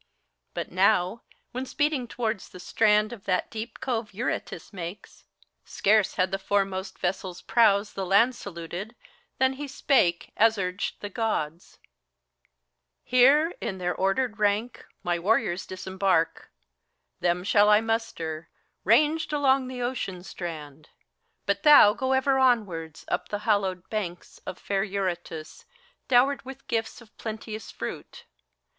But now, when speeding towards the strand of that deep cove Eurotas makes, scarce had the foremost vessek' prows The land saluted, than he spake, as urged the Gk)ds : "Here, in their ordered rank, my warriors disembark ; Them shall I muster, ranged along the ocean strand. But thou go ever onwards, up the hallowed banks Of fair Eurotas, dowered with gifts of plenteous fruit.